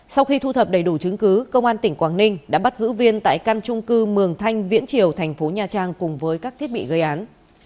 sau khi thu thập đầy đủ chứng cứ công an tỉnh quảng ninh đã bắt giữ viên tại căn trung cư mường thanh viễn triều thành phố nha trang cùng với các thiết bị gây án